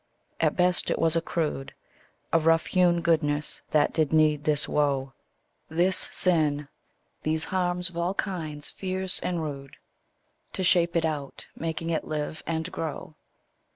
At best it was a crude, A rough hewn goodness, that did need this woe, This sin, these harms of all kinds fierce and rude, To shape it out, making it live and grow.